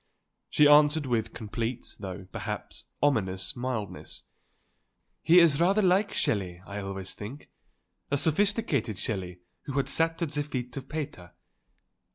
She answered with complete, though perhaps ominous, mildness: "He is rather like Shelley, I always think, a sophisticated Shelley who had sat at the feet of Pater.